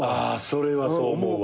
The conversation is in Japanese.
それはそう思うわ。